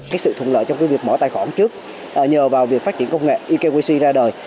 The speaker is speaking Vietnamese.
cái sự thuận lợi trong cái việc mở tài khoản trước nhờ vào việc phát triển công nghệ ekyc ra đời